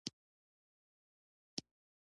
هغې وویل چې دا به هم داسې وي.